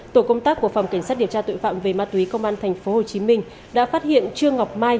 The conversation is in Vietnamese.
tổ công tác của phòng kiểm soát điểm tra tội phạm về ma túy công an tp hcm đã phát hiện trương ngọc mai